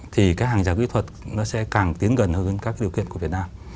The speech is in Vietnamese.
thì các hàng rào kỹ thuật nó sẽ càng tiến gần hơn các điều kiện của việt nam